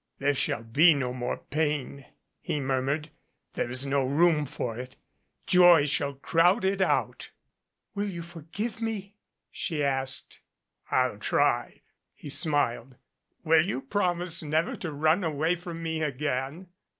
"There shall be no more pain," he murmured. "There is no room for it. Joy shall crowd it out." "Will you forgive me?" she asked. 339 MADCAP / "I'll try," he smiled. "Will you promise never to run away from me again?"